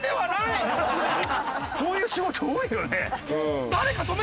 そういう仕事多いよね。